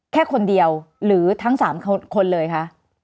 แค่คนเดียวหรือทั้ง๓คนเลยคะ